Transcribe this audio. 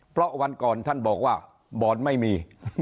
เพราะวันก่อนท่านบอกว่าบอนไม่มี